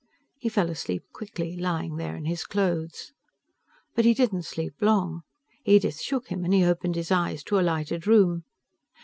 He fell asleep quickly, lying there in his clothes. But he didn't sleep long. Edith shook him and he opened his eyes to a lighted room.